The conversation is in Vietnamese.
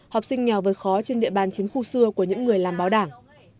học sinh nghèo vượt khó trên địa bàn chiến khu xưa của những người làm báo đảng